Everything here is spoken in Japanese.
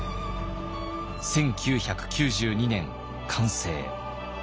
１９９２年完成。